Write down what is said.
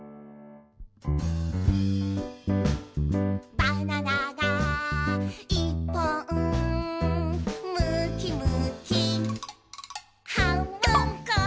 「バナナがいっぽん」「むきむきはんぶんこ！」